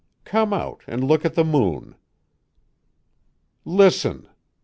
Come out and look at the moon." "Listen!"